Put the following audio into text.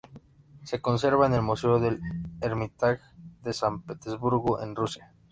Se conserva en el Museo del Hermitage de San Petersburgo en Rusia.